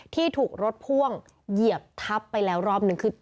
ที่ถูกรถพ่วงเหยียบทับไปแล้วรอบหนึ่งคือ